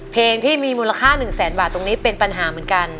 เพลงที่มีมูลค่า๑แสนบาทตรงนี้เป็นปัญหาเหมือนกัน